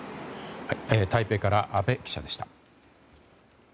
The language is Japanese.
台北から阿部記者でした。